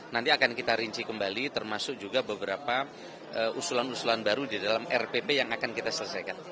nanti akan kita rinci kembali termasuk juga beberapa usulan usulan baru di dalam rpp yang akan kita selesaikan